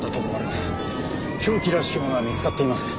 凶器らしきものは見つかっていません。